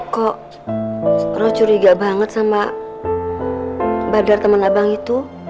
kok lo curiga banget sama badar temen abang itu